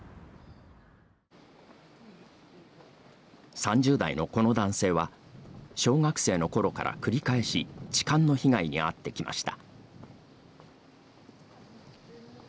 ３０代のこの男性は小学生のころから繰り返し痴漢の被害に遭ってきました。